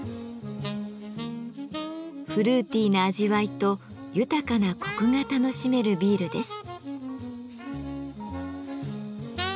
フルーティーな味わいと豊かなコクが楽しめるビールです。